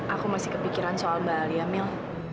aku masih kepikiran soal mbak alia mil